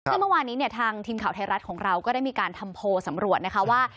ซึ่งเมื่อวานนี้เนี่ยทางทีมข่าวไทยรัฐของเราก็ได้มีการทำโพลสำรวจนะคะว่า